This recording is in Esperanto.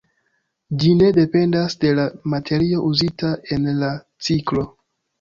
Ĝi ne dependas de la materio uzita en la ciklo.